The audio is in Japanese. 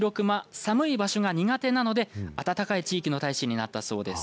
寒い場所が苦手なので暖かい地域の大使になったそうです。